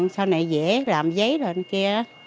sau này dễ làm giấy rồi